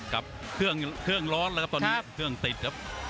เครื่องร้อนนะครับตอนนี้เครื่องติดครับ